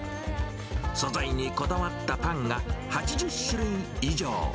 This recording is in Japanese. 素材にこだわったパンが、８０種類以上。